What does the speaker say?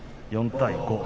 ４対５。